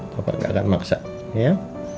papa gak akan maksa ya